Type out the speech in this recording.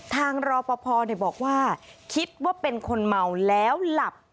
รอปภบอกว่าคิดว่าเป็นคนเมาแล้วหลับ